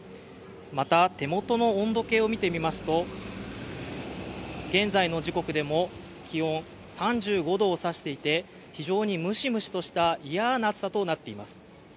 また、手元の温度計を見てみますと現在の時刻でも気温、３５度を指していて非常にムシムシとした嫌な暑さとなっています。